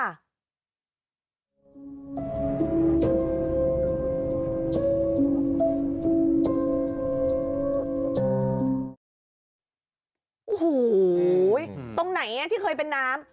โอ้โหตรงไหนที่เคยเป็นน้ำ